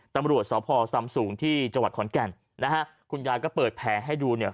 ตำรวจสพซำสูงที่จังหวัดขอนแก่นนะฮะคุณยายก็เปิดแผลให้ดูเนี่ย